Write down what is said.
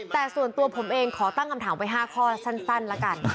แต่ส่วนตัวผมเองขอตั้งคำถามไว้๕ข้อสั้นละกัน